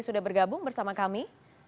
sudah bergabung bersama kami